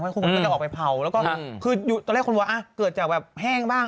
คุณก็จะออกไปเผาแล้วก็คือตอนแรกคนว่าเกิดจากแบบแห้งบ้าง